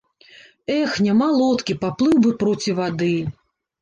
Эх, няма лодкі, паплыў бы проці вады.